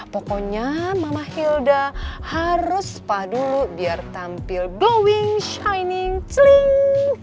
pokoknya mama hilda harus spa dulu biar tampil blowing shining thlink